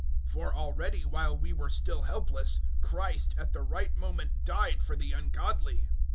005:006 For already, while we were still helpless, Christ at the right moment died for the ungodly.